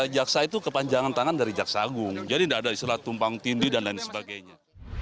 jaksa itu kepanjangan tangan dari jaksagung jadi tidak ada di selat tumpang tindu dan lain sebagainya